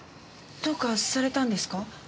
どうかされたんですか？